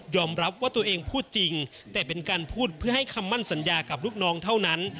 รับว่าตัวเองพูดจริงแต่เป็นการพูดเพื่อให้คำมั่นสัญญากับลูกน้องเท่านั้น